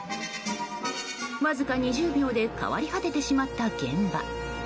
わずか２０秒で変わり果ててしまった現場。